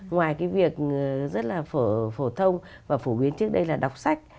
ngoài cái việc rất là phổ phổ thông và phổ biến trước đây là đọc sách